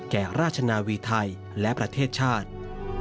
แก่ราชนาวีไทยและประเทศชาติ